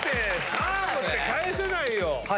サーブなんて返せないよ。